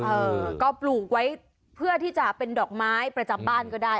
เออก็ปลูกไว้เพื่อที่จะเป็นดอกไม้ประจำบ้านก็ได้